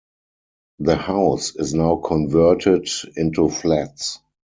The house is now converted into flats.